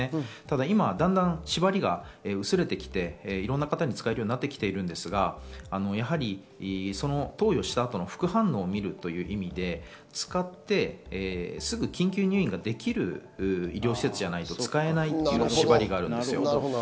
今、だんだん縛りが薄れてきて、いろんな方に使えるようになってきているんですが投与した後の副反応を見るという意味で、使ってすぐ緊急入院ができる医療施設じゃないと使えないという縛りがあるんですよ。